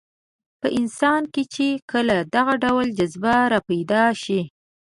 په انسان کې چې کله دغه ډول جذبه راپیدا شي.